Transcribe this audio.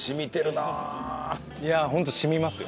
いやあホント染みますよ。